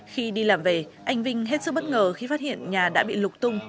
khi đi làm về anh vinh hết sức bất ngờ khi phát hiện nhà đã bị lục tung